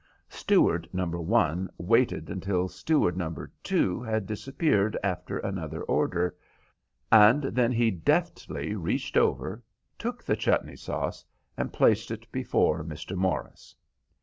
Steward number one waited until steward number two had disappeared after another order, and then he deftly reached over, took the chutney sauce, and placed it before Mr. Morris.